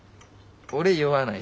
俺酔わない。